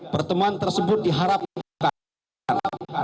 pertemuan tersebut diharapkan